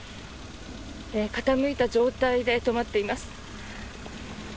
傾いた状態で止まっています。